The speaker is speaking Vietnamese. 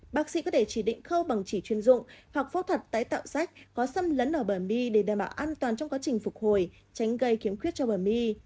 bác sĩ có thể chỉ định khâu bằng chỉ chuyên dụng hoặc phẫu thuật tái tạo sách có xâm lấn ở bờ mi để đảm bảo an toàn trong quá trình phục hồi tránh gây khiếm khuyết cho bờ my